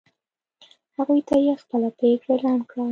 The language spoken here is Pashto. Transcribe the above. هغوی ته یې خپله پرېکړه اعلان کړه.